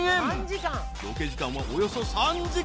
［ロケ時間はおよそ３時間］